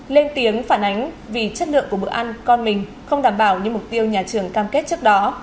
lên tiếng phản ánh vì chất lượng của bữa ăn con mình không đảm bảo như mục tiêu nhà trường cam kết trước đó